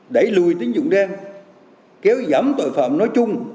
đẩy lùi tín dụng đen kéo giảm tội phạm nói chung